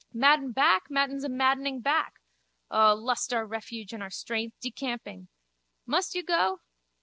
Madden back Madden's a maddening back. O lust our refuge and our strength. Decamping. Must you go?